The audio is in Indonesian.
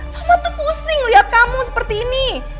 lama tuh pusing lihat kamu seperti ini